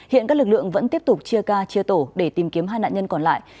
hiện các lực lượng vẫn tiếp tục chia ca chia tổ để tìm kiếm hai nạn nhân còn lại